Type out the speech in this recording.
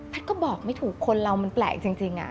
ก็บอกไม่ถูกคนเรามันแปลกจริง